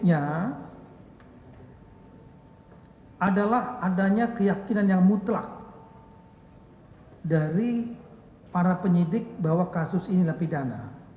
yang pertama adalah penyidiknya adalah adanya keyakinan yang mutlak dari para penyidik bahwa kasus inilah pidana